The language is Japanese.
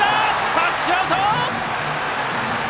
タッチアウト！